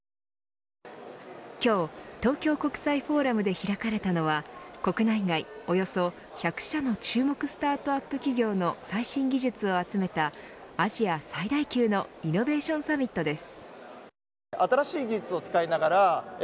今日、東京国際フォーラムで開かれたのは国内外およそ１００社の注目スタートアップ企業の最新技術を集めたアジア最大級のイノベーションサミットです。